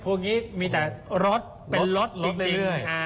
พวกนี้มีแต่ร็อสเป็นร็อสเรื่อย